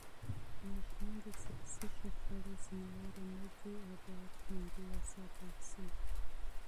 ماشومان د سياسي شخړو مسوول نه دي او بايد خوندي وساتل شي.